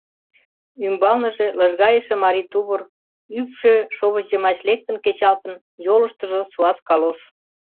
Ӱмбалныже лыжгайыше марий тувыр, ӱпшӧ шовыч йымач лектын кечалтын, йолыштыжо суас калош.